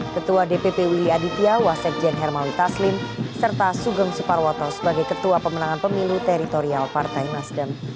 ketua dpp willy aditya wasekjen hermawi taslim serta sugeng suparwoto sebagai ketua pemenangan pemilu teritorial partai nasdem